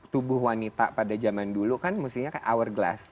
tubuh wanita pada zaman dulu kan musuhnya kayak hourglass